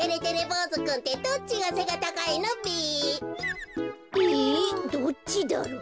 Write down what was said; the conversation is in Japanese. ぼうずくんってどっちがせがたかいのべ？えっどっちだろ？